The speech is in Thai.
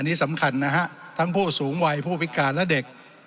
อันนี้สำคัญนะฮะทั้งผู้สูงวัยผู้พิการและเด็ก